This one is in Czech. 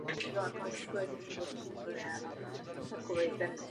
Výrobci učinili za posledních několik let velký technologický pokrok.